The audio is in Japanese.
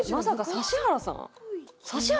指原さん？